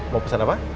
mau pesan apa